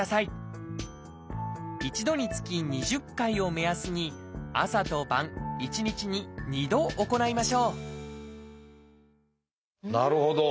一度につき２０回を目安に朝と晩一日に２度行いましょうなるほど。